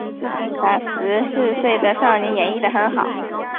把十四岁的少年演绎的很好